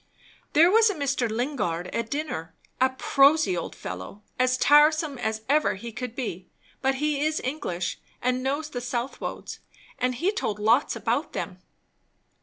"There was a Mr. Lingard at dinner a prosy old fellow, as tiresome as ever he could be; but he is English, and knows the Southwodes, and he told lots about them."